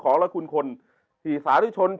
ชื่องนี้ชื่องนี้ชื่องนี้ชื่องนี้